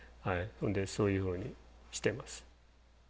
そういうふうにしてます。